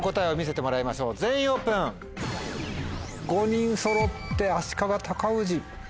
５人そろって足利尊氏。